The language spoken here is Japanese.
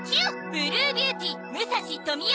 ブルービューティー武蔵登美代。